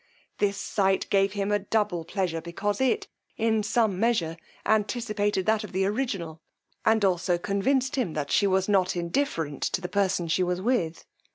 This sight gave him a double pleasure, because it, in some measure, anticipated that of the original, and also convinced him that she was not indifferent to the person she was with.